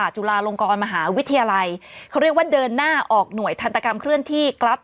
จุฬาลงกรมหาวิทยาลัยเขาเรียกว่าเดินหน้าออกหน่วยทันตกรรมเคลื่อนที่กรับ